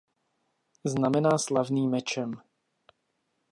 Znamená slavný mečem.